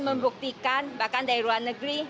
membuktikan bahkan dari luar negeri